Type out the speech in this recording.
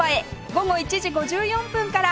午後１時５４分から